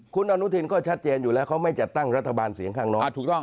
คุณอนุทินก็ชัดเจนอยู่แล้วเขาไม่จัดตั้งรัฐบาลเสียงข้างน้อยถูกต้อง